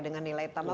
dengan nilai tambah